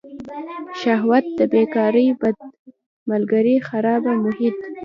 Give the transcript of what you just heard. شهوت بیکاري بد ملگري خرابه محیط.